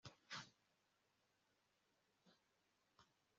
mu bimenyetso cyangwa ibikangisho